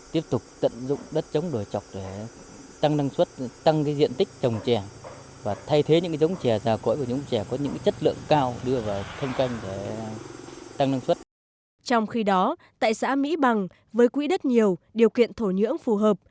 trong khi đó tại xã mỹ bằng với quỹ đất nhiều điều kiện thổ nhưỡng phù hợp